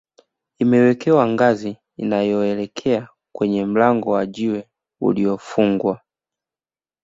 imewekewa ngazi inayoelekea kwenye mlango wa jiwe uliyofungwa